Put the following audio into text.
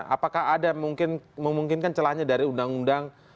apakah ada mungkin memungkinkan celahnya dari undang undang